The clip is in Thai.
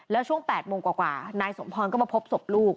แล้วช่วง๘โมงกว่านายสมพรก็มาพบศพลูก